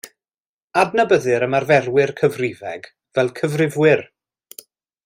Adnabyddir ymarferwyr cyfrifeg fel cyfrifwyr.